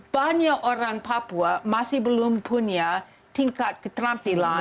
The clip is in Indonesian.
banyak orang papua masih belum punya tingkat keterampilan